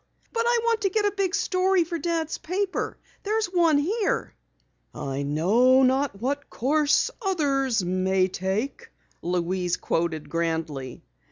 "But I want to get a big story for Dad's paper. There's one here." "I know not what course others may take," Louise quoted grandly.